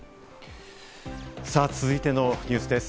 続いてのニュースです。